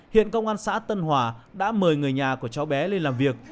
hiện công an xã tân hòa đã mời người nhà của cháu bé lên làm việc